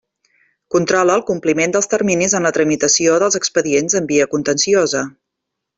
Controla el compliment dels terminis en la tramitació dels expedients en via contenciosa.